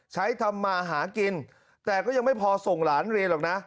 ทำมาหากินแต่ก็ยังไม่พอส่งหลานเรียนหรอกนะ